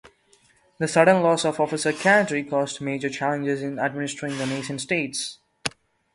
This sudden loss of officer cadre caused major challenges in administering the nascent states.